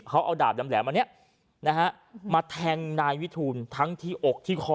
เขาเอาดาบแหลมอันนี้นะฮะมาแทงนายวิทูลทั้งที่อกที่คอ